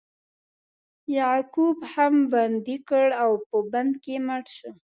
یعقوب هغه بندي کړ او په بند کې مړ شو.